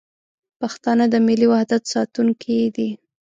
پښتانه د ملي وحدت ساتونکي دي.